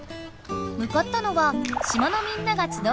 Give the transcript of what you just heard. むかったのは島のみんながつどう場所。